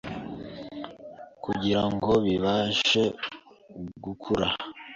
kugira ngo bibashe gukura.